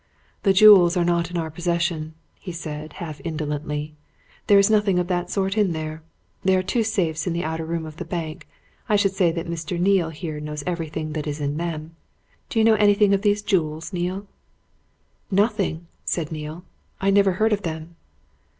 "The jewels are not in our possession," he said, half indolently. "There is nothing of that sort in there. There are two safes in the outer room of the bank I should say that Mr. Neale here knows everything that is in them. Do you know anything of these jewels, Neale?" "Nothing!" said Neale. "I never heard of them."